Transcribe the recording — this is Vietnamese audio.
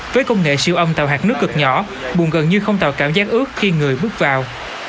với công nghệ siêu âm tạo hạt nước cực nhỏ buồn gần như không tạo cảm giác ướt khi người bước vào